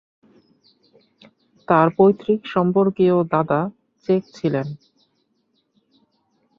তার পৈতৃক সম্পর্কীয় দাদা চেক ছিলেন।